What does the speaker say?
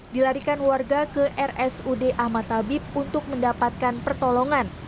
dilarikan warga ke rsud ahmad tabib untuk mendapatkan pertolongan